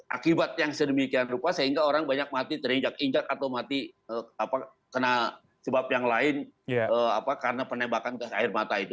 akibat yang sedemikian rupa sehingga orang banyak mati terinjak injak atau mati kena sebab yang lain karena penembakan gas air mata itu